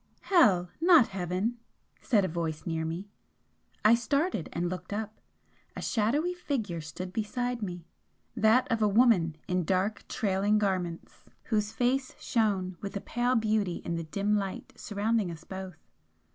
"Hell not heaven!" said a voice near me. I started and looked up a shadowy figure stood beside me that of a woman in dark trailing garments, whose face shone with a pale beauty in the dim light surrounding us both.